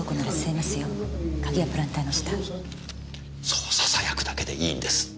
そうささやくだけでいいんです。